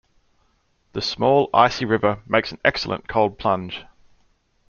The small, icy river makes an excellent cold plunge.